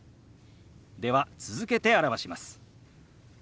では続けて表します。